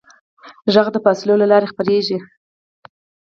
غږ د فاصلو له لارې خپرېږي.